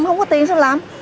không có tiền sao làm